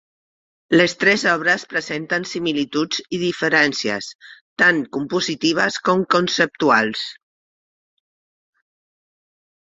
Les tres obres presenten similituds i diferències tant compositives com conceptuals.